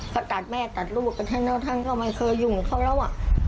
เขาตัดแม่ตัดลูกกันทั้งเค้าไม่เคยยุ่งเขาแล้ว